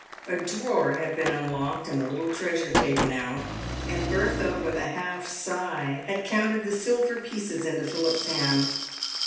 A drawer had been unlocked and a little treasure taken out, and Bertha, with a half sigh, had counted the silver pieces into Philip's hand.